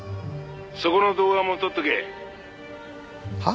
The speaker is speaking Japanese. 「そこの動画も撮っとけ」は？